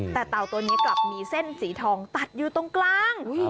แต่เต่าตัวนี้กลับมีเส้นสีทองตัดอยู่ตรงกลาง